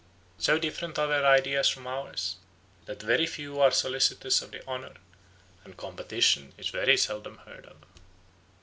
So different are their ideas from ours, that very few are solicitous of the honour, and competition is very seldom heard of."